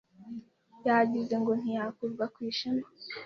Yagize ngo ntiyakurwa ku ishema